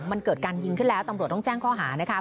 มันเกิดการยิงขึ้นแล้วตำรวจต้องแจ้งข้อหานะคะ